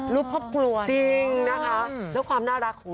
รูปครอบครัว